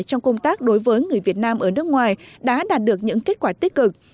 trong công tác đối với người việt nam ở nước ngoài đã đạt được những kết quả tích cực